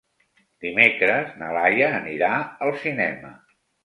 Dimecres na Laia anirà al cinema.